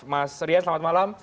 mas rian selamat malam